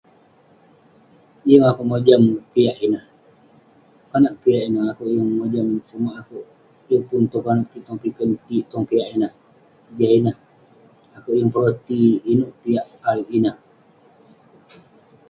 Yeng akouk mojam piak ineh, konak piak ineh, akouk yeng mojam..sumak akouk, yeng pun tong konep kik, tong piken kik piah ineh.jah ineh..akouk yeng peroti inouk piak ineh